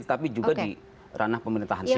tapi juga di ranah pemerintahan sendiri